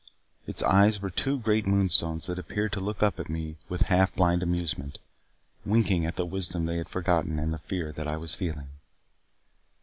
Its eyes were two great moonstones that appeared to look up at me with half blind amusement winking at the wisdom they had forgotten and the fear that I was feeling.